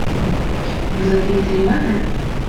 Vous avez été aimable ?